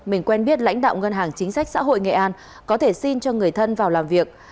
mình quen biết lãnh đạo ngân hàng chính sách xã hội nghệ an có thể xin cho người thân vào làm việc